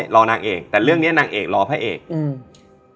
รอนางเอกแต่เรื่องเนี้ยนางเอกรอพระเอกอืม